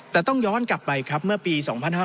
แต่ต้องย้อนกลับไปครับเมื่อปี๒๕๕๙